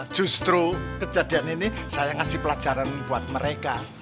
justru kejadian ini saya ngasih pelajaran buat mereka